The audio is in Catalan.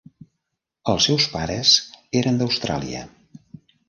Els seus pares eren d'Austràlia.